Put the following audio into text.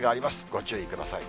ご注意ください。